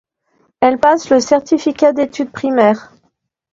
Elle passe le certificat d'études primaires.